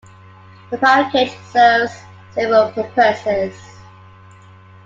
The power cage serves several purposes.